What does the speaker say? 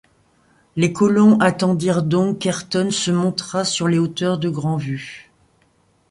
Les colons attendirent donc qu’Ayrton se montrât sur les hauteurs de Grande-Vue